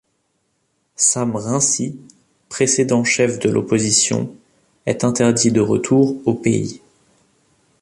Sam Rainsy, précédent chef de l'opposition, est interdit de retour au pays.